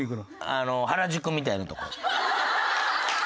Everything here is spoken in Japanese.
あの原宿みたいなとこ。